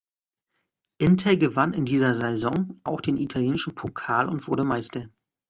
Inter gewann in dieser Saison auch den italienischen Pokal und wurde Meister.